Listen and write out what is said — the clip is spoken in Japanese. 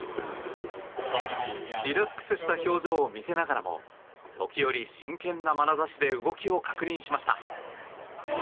リラックスした表情を見せながらも時折、真剣なまなざしで動きを確認しました。